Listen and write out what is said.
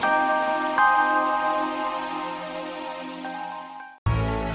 jangan jangan jangan